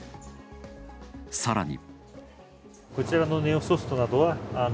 さらに。